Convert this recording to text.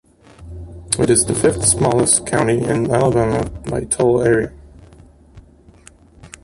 It is the fifth-smallest county in Alabama by total area.